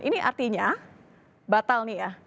ini artinya batal nih ya